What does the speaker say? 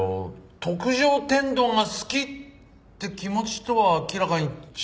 特上天丼が好きって気持ちとは明らかに違うんだけど。